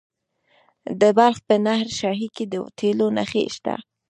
د بلخ په نهر شاهي کې د تیلو نښې شته.